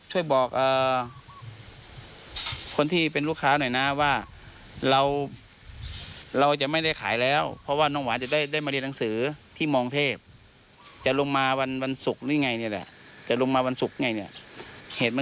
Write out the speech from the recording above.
เหตุเกิดขึ้นวันพฤหัสใช่ไหม